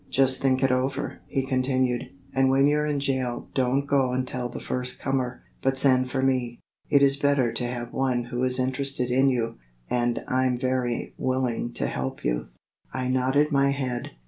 "Just think it over," he continued, "and when you're in jail don't go and tell the first comer, but send for me. It is better to have one who is interested in you, and I'm very willing to help you." I nodded my head.